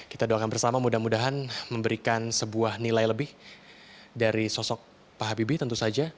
kita doakan bersama mudah mudahan memberikan sebuah nilai lebih dari sosok pak habibie tentu saja